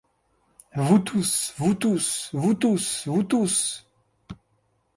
Vous tous ! vous tous ! vous tous ! vous tous !